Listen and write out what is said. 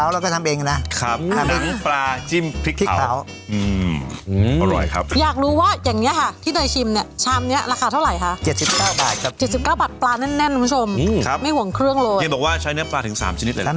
หอมกลิ่นมากค่ะ